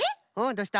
どうした？